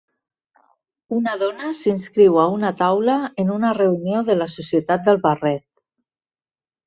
Una dona s'inscriu a una taula en una reunió de la societat del barret.